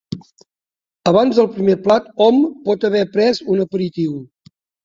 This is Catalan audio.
Abans del primer plat hom pot haver pres un aperitiu.